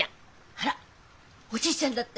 あらっおじいちゃんだって。